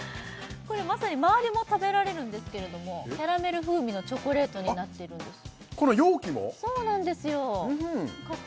これまさにまわりも食べられるんですけれどもキャラメル風味のチョコレートになっているんですあっ